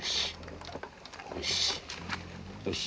よし。